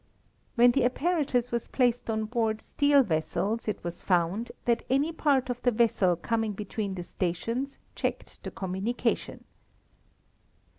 When the apparatus was placed on board steel vessels it was found that any part of the vessel coming between the stations checked the communication.